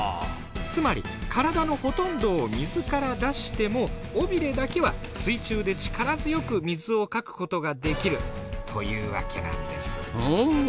つまり体のほとんどを水から出しても尾びれだけは水中で力強く水をかくことができるというわけなんです。